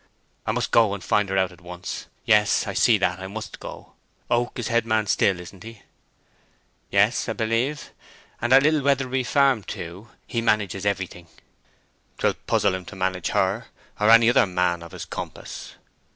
"I must go and find her out at once—O yes, I see that—I must go. Oak is head man still, isn't he?" "Yes, 'a b'lieve. And at Little Weatherbury Farm too. He manages everything." "'Twill puzzle him to manage her, or any other man of his compass!"